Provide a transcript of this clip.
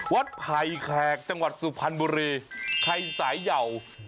ไผ่แขกจังหวัดสุพรรณบุรีใครสายเยาว